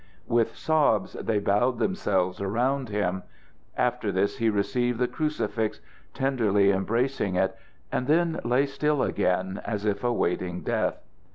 With sobs they bowed themselves around him. After this he received the crucifix, tenderly embracing it, and then lay still again, as if awaiting death.